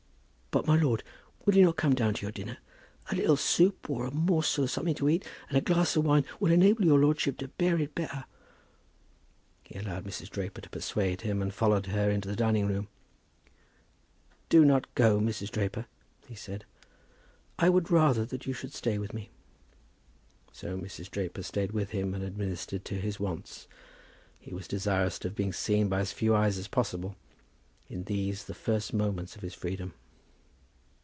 "But, my lord, will you not come to your dinner? A little soup, or a morsel of something to eat, and a glass of wine, will enable your lordship to bear it better." He allowed Mrs. Draper to persuade him, and followed her into the dining room. "Do not go, Mrs. Draper," he said; "I would rather that you should stay with me." So Mrs. Draper stayed with him, and administered to his wants. He was desirous of being seen by as few eyes as possible in these the first moments of his freedom.